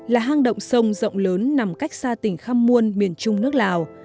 là hang động sông rộng lớn nằm cách xa tỉnh khăm muôn miền trung nước lào